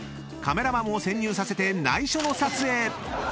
［カメラマンを潜入させて内緒の撮影］